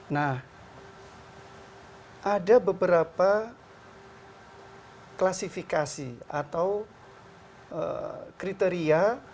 nah ada beberapa klasifikasi atau kriteria